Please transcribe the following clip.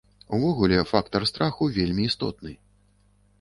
Увогуле фактар страху вельмі істотны.